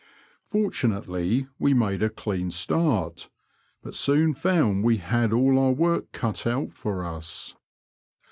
Fortunately, we made a clean start, but soon found we had all our work cut out for us.